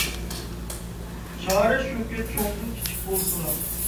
چارە شۇكى، چوڭدىن كىچىك بولسىلا.